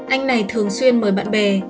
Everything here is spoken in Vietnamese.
anh này thường xuyên mời bạn bè